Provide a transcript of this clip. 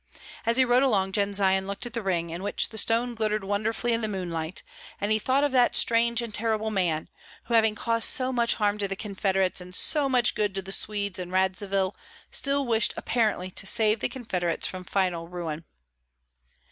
As he rode along Jendzian looked at the ring, in which the stone glittered wonderfully in the moonlight, and he thought of that strange and terrible man, who having caused so much harm to the confederates and so much good to the Swedes and Radzivill, still wished apparently to save the confederates from final ruin.